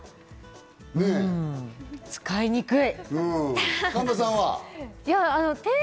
使いにくい！